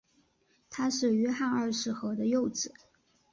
他是约翰二世和的幼子。